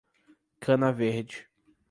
Cana Verde